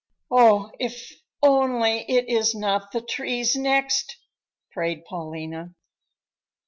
"Oh, if only it is not the trees next!" prayed Paulina.